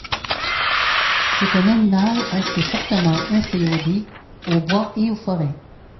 C'est un animal assez fortement inféodé aux bois et forêts.